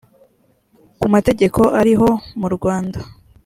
ku mategeko ariho mu rwanda